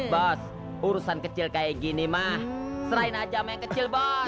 bos urusan kecil kayak gini mah selain aja sama yang kecil bos